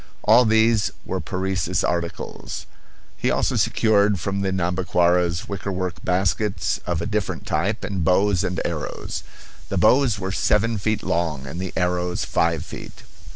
All these were Parecis articles. He also secured from the Nhambiquaras wickerwork baskets of a different type and bows and arrows. The bows were seven feet long and the arrows five feet.